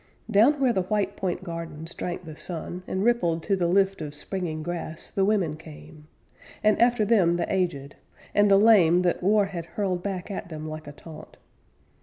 Down where the White Point Gardens drank the sun, And rippled to the lift of springing grass, The women came; And after them the aged, and the lame That war had hurled back at them like a taunt.